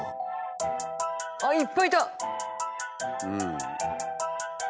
あっいっぱいいた！